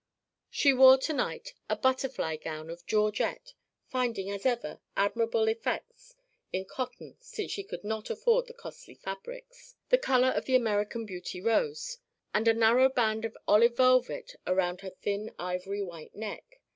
She wore to night a "butterfly" gown of georgette (finding, as ever, admirable effects in cotton since she could not afford the costly fabrics), the colour of the American beauty rose, and a narrow band of olive velvet around her thin ivory white neck.